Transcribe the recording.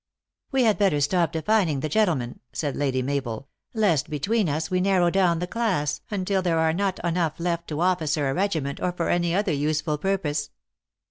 " We had better stop defining the gentleman," said Lady Mabel, " lest between us we narrow down the class, until there are not enough left to officer a re giment, or for any other useful purpose."